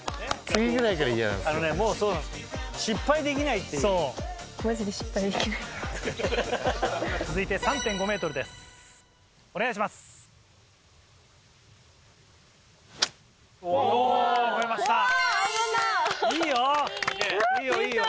いいよ！